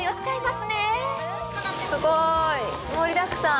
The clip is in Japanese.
すごい！盛りだくさん。